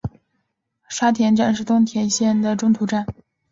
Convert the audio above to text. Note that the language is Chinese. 沙田站是东铁线的中途站。